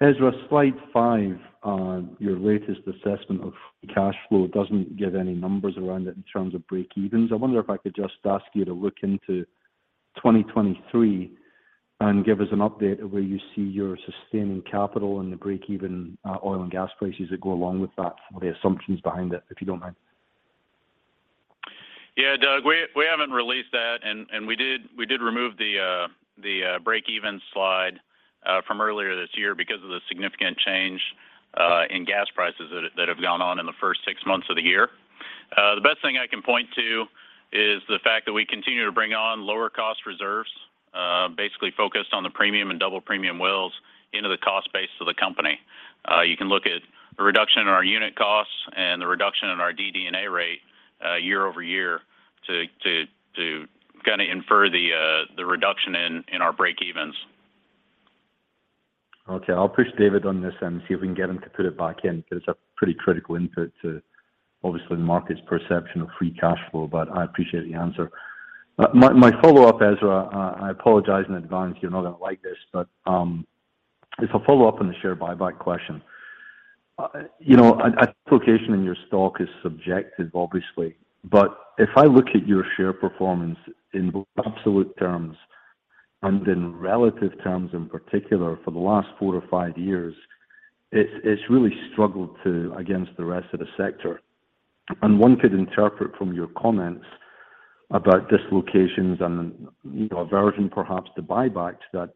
Ezra, slide 5 on your latest assessment of cash flow doesn't give any numbers around it in terms of breakevens. I wonder if I could just ask you to look into 2023 and give us an update of where you see your sustaining capital and the breakeven oil and gas prices that go along with that or the assumptions behind it, if you don't mind. Yeah. Doug, we haven't released that, and we did remove the breakeven slide from earlier this year because of the significant change in gas prices that have gone on in the first six months of the year. The best thing I can point to is the fact that we continue to bring on lower cost reserves, basically focused on the premium and double premium wells into the cost base of the company. You can look at the reduction in our unit costs and the reduction in our DD&A rate year-over-year to kinda infer the reduction in our breakevens. Okay. I'll push David on this and see if we can get him to put it back in because it's a pretty critical input to obviously the market's perception of free cash flow, but I appreciate the answer. My follow-up, Ezra, I apologize in advance. You're not gonna like this, but it's a follow-up on the share buyback question. You know, a valuation in your stock is subjective, obviously. If I look at your share performance in both absolute terms and in relative terms, in particular for the last four or five years, it's really struggled against the rest of the sector. One could interpret from your comments about dislocations and, you know, aversion perhaps to buybacks that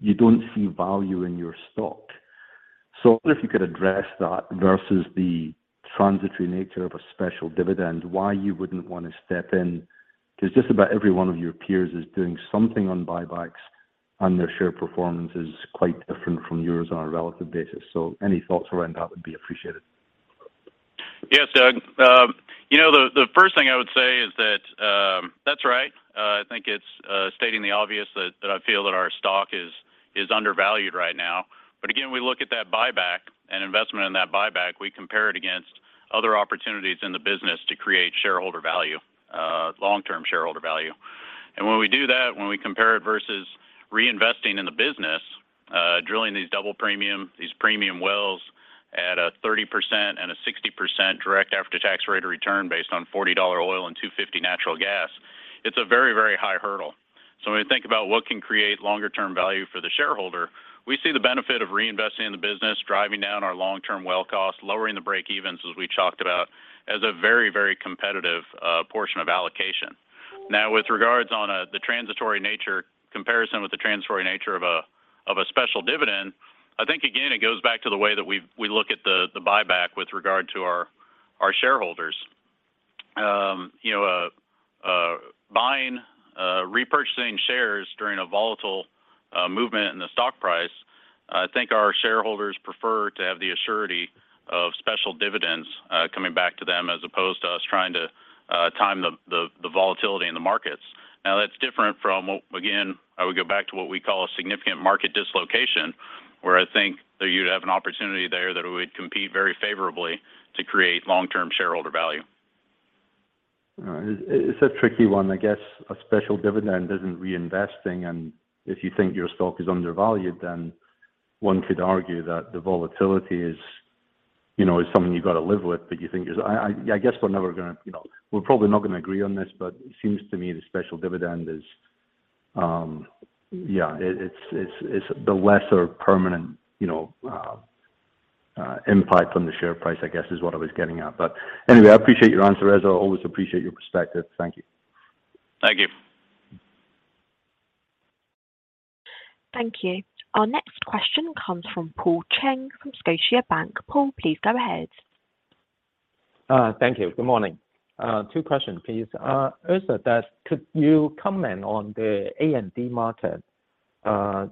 you don't see value in your stock. I wonder if you could address that versus the transitory nature of a special dividend, why you wouldn't want to step in, because just about every one of your peers is doing something on buybacks, and their share performance is quite different from yours on a relative basis. Any thoughts around that would be appreciated. Yes, Doug. You know, the first thing I would say is that's right. I think it's stating the obvious that I feel that our stock is undervalued right now. Again, we look at that buyback and investment in that buyback, we compare it against other opportunities in the business to create shareholder value, long-term shareholder value. When we do that, when we compare it versus reinvesting in the business, drilling these double premium, these premium wells at a 30% and a 60% direct after-tax rate of return based on $40 oil and $2.50 natural gas, it's a very, very high hurdle. When we think about what can create longer term value for the shareholder, we see the benefit of reinvesting in the business, driving down our long-term well costs, lowering the breakevens, as we talked about, as a very, very competitive portion of allocation. Now, with regard to the transitory nature comparison with the transitory nature of a special dividend, I think again, it goes back to the way that we look at the buyback with regard to our shareholders. You know, repurchasing shares during a volatile movement in the stock price, I think our shareholders prefer to have the certainty of special dividends coming back to them as opposed to us trying to time the volatility in the markets. Now that's different from what, again, I would go back to what we call a significant market dislocation, where I think that you'd have an opportunity there that would compete very favorably to create long-term shareholder value. All right. It's a tricky one. I guess a special dividend isn't reinvesting, and if you think your stock is undervalued, then one could argue that the volatility is, you know, something you've got to live with, but you think is. I guess we're never gonna, you know, we're probably not gonna agree on this, but it seems to me the special dividend is, yeah, it's the less permanent, you know, impact on the share price, I guess, is what I was getting at. Anyway, I appreciate your answer, Ezra. I always appreciate your perspective. Thank you. Thank you. Thank you. Our next question comes from Paul Cheng from Scotiabank. Paul, please go ahead. Thank you. Good morning. Two questions, please. Ezra, could you comment on the A&D market, for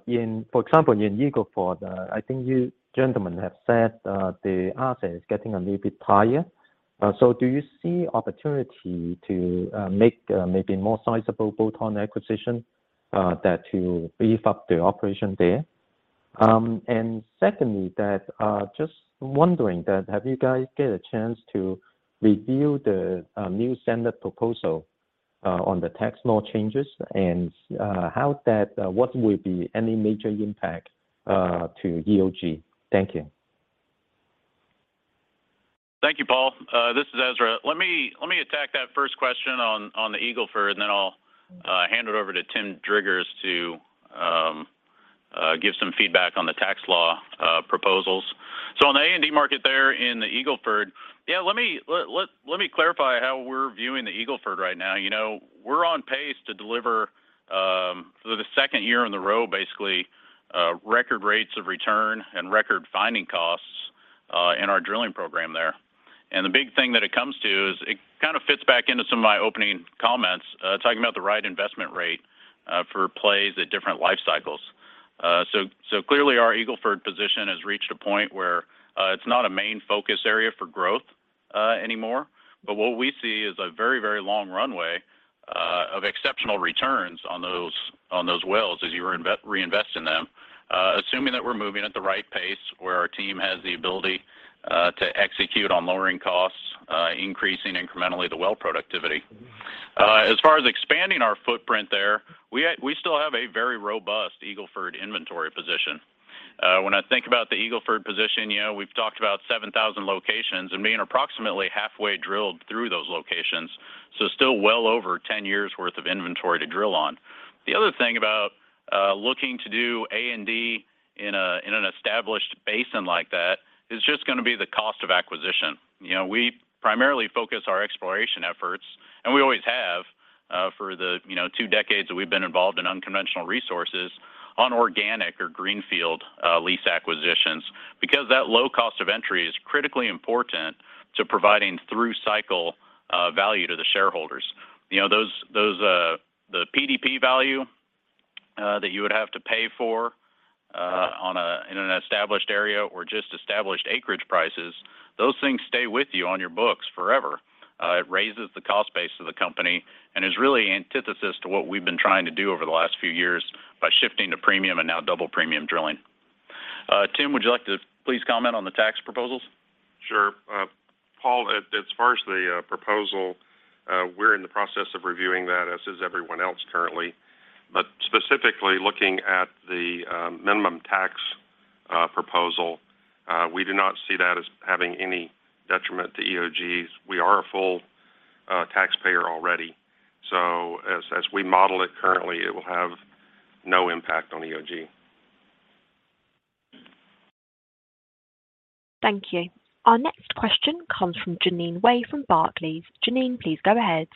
example, in Eagle Ford? I think you gentlemen have said the asset is getting a little bit higher. So do you see opportunity to make maybe more sizable bolt-on acquisition that to beef up the operation there? Secondly, just wondering, have you guys get a chance to review the new standard proposal on the tax law changes and what will be any major impact to EOG? Thank you. Thank you, Paul. This is Ezra. Let me attack that first question on the Eagle Ford, and then I'll hand it over to Tim Driggers to give some feedback on the tax law proposals. On the A&D market there in the Eagle Ford, yeah, let me clarify how we're viewing the Eagle Ford right now. You know, we're on pace to deliver, for the second year in a row, basically, record rates of return and record finding costs, in our drilling program there. The big thing that it comes to is it kind of fits back into some of my opening comments, talking about the right investment rate, for plays at different life cycles. Clearly our Eagle Ford position has reached a point where it's not a main focus area for growth anymore. What we see is a very, very long runway of exceptional returns on those wells as you re-invest in them, assuming that we're moving at the right pace where our team has the ability to execute on lowering costs, increasing incrementally the well productivity. As far as expanding our footprint there, we still have a very robust Eagle Ford inventory position. When I think about the Eagle Ford position, you know, we've talked about 7,000 locations and being approximately halfway drilled through those locations, still well over 10 years worth of inventory to drill on. The other thing about looking to do A&D in an established basin like that is just gonna be the cost of acquisition. You know, we primarily focus our exploration efforts, and we always have for the you know two decades that we've been involved in unconventional resources on organic or greenfield lease acquisitions. Because that low cost of entry is critically important to providing through cycle value to the shareholders. You know, those, the PDP value that you would have to pay for in an established area or just established acreage prices, those things stay with you on your books forever. It raises the cost base of the company and is really antithesis to what we've been trying to do over the last few years by shifting to premium and now double premium drilling. Tim, would you like to please comment on the tax proposals? Sure. Paul, as far as the proposal, we're in the process of reviewing that, as is everyone else currently. Specifically looking at the minimum tax proposal, we do not see that as having any detriment to EOG. We are a full taxpayer already. As we model it currently, it will have no impact on EOG. Thank you. Our next question comes from Jeanine Wai from Barclays. Jeanine, please go ahead.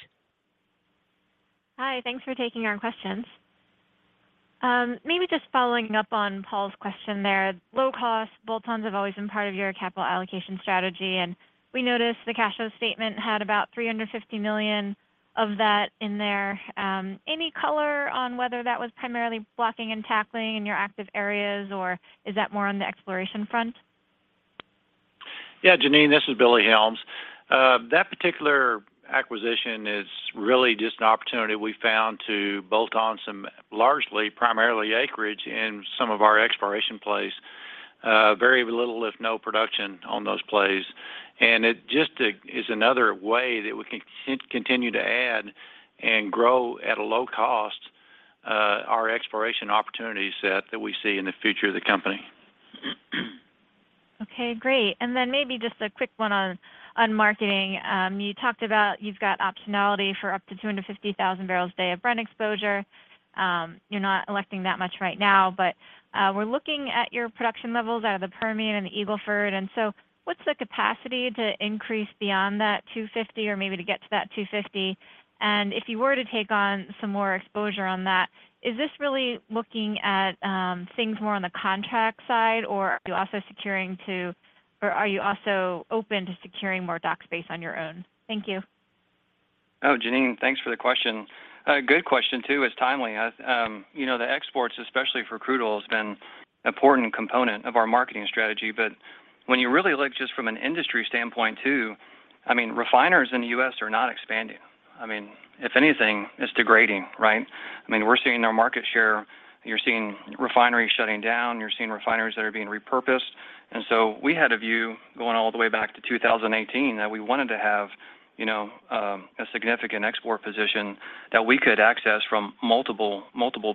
Hi. Thanks for taking our questions. Maybe just following up on Paul's question there. Low-cost bolt-ons have always been part of your capital allocation strategy, and we noticed the cash flow statement had about $350 million of that in there. Any color on whether that was primarily blocking and tackling in your active areas, or is that more on the exploration front? Yeah, Jeanine, this is Billy Helms. That particular acquisition is really just an opportunity we found to bolt on some largely primarily acreage in some of our exploration plays. Very little, if no production on those plays. It just is another way that we can continue to add and grow at a low cost our exploration opportunity set that we see in the future of the company. Okay, great. Maybe just a quick one on marketing. You talked about you've got optionality for up to 250,000 barrels a day of Brent exposure. You're not electing that much right now. We're looking at your production levels out of the Permian and the Eagle Ford, and so what's the capacity to increase beyond that 250,000 or maybe to get to that 250,000? And if you were to take on some more exposure on that, is this really looking at things more on the contract side, or are you also open to securing more dock space on your own? Thank you. Oh, Jeanine, thanks for the question. A good question, too. It's timely. You know, the exports, especially for crude oil, has been important component of our marketing strategy. When you really look just from an industry standpoint, too, I mean, refiners in the U.S. are not expanding. I mean, if anything, it's degrading, right? I mean, we're seeing their market share. You're seeing refineries shutting down. You're seeing refineries that are being repurposed. We had a view going all the way back to 2018 that we wanted to have, you know, a significant export position that we could access from multiple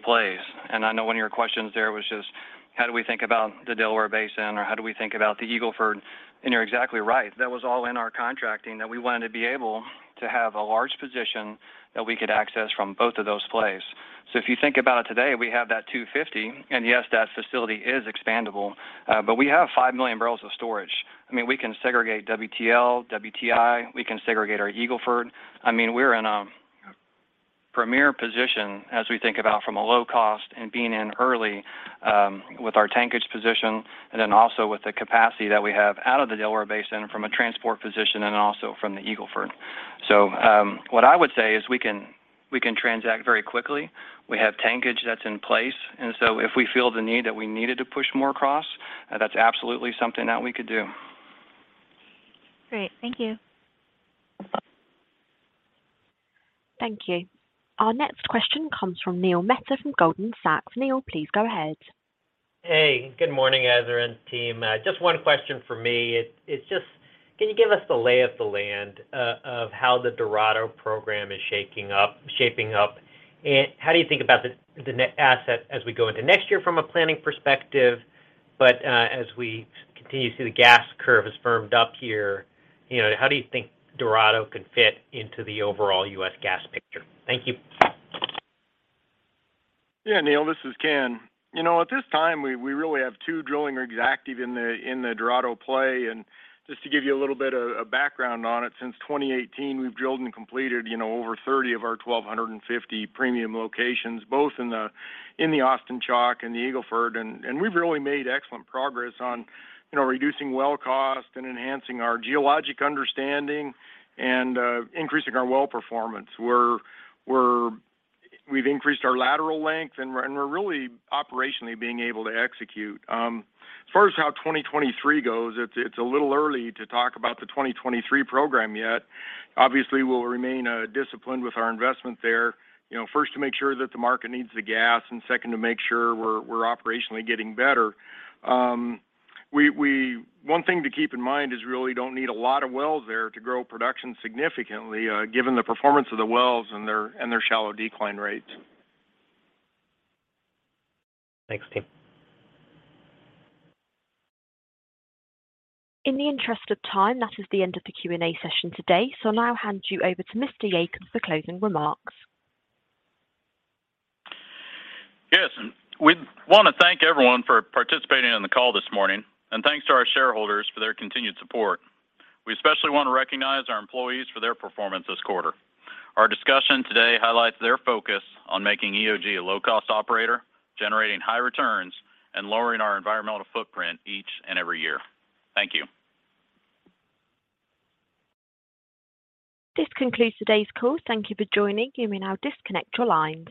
plays. I know one of your questions there was just how do we think about the Delaware Basin or how do we think about the Eagle Ford? You're exactly right. That was all in our contracting, that we wanted to be able to have a large position that we could access from both of those plays. If you think about it today, we have that 250,000. Yes, that facility is expandable, but we have 5 million barrels of storage. I mean, we can segregate WTL, WTI. We can segregate our Eagle Ford. I mean, we're in a premier position as we think about from a low cost and being in early, with our tankage position and then also with the capacity that we have out of the Delaware Basin from a transport position and also from the Eagle Ford. What I would say is we can transact very quickly. We have tankage that's in place. If we feel the need that we needed to push more across, that's absolutely something that we could do. Great. Thank you. Thank you. Our next question comes from Neil Mehta from Goldman Sachs. Neil, please go ahead. Hey, good morning, guys and team. Just one question for me. It's just, can you give us the lay of the land, of how the Dorado program is shaping up? How do you think about the net asset as we go into next year from a planning perspective, but, as we continue to see the gas curve has firmed up here, you know, how do you think Dorado can fit into the overall US gas picture? Thank you. Yeah, Neal, this is Ken. You know, at this time, we really have two drilling rigs active in the Dorado play. Just to give you a little bit of a background on it, since 2018, we've drilled and completed, you know, over 30 of our 1,250 premium locations, both in the Austin Chalk and the Eagle Ford. We've really made excellent progress on, you know, reducing well cost and enhancing our geologic understanding and increasing our well performance. We've increased our lateral length, and we're really operationally being able to execute. As far as how 2023 goes, it's a little early to talk about the 2023 program yet. Obviously, we'll remain disciplined with our investment there, you know, first to make sure that the market needs the gas and second to make sure we're operationally getting better. One thing to keep in mind is we really don't need a lot of wells there to grow production significantly, given the performance of the wells and their shallow decline rates. Thanks, team. In the interest of time, that is the end of the Q&A session today. I'll now hand you over to Mr. Yacob for closing remarks. Yes. We wanna thank everyone for participating on the call this morning, and thanks to our shareholders for their continued support. We especially want to recognize our employees for their performance this quarter. Our discussion today highlights their focus on making EOG a low-cost operator, generating high returns, and lowering our environmental footprint each and every year. Thank you. This concludes today's call. Thank you for joining. You may now disconnect your lines.